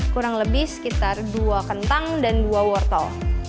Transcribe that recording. kurang lebih sekitar dua kentang dan dua wortel